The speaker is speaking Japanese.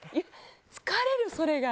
疲れるそれが。